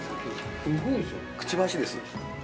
◆くちばしです。